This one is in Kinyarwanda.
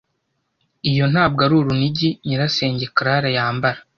Iyi ntabwo ari urunigi nyirasenge Clara yambara?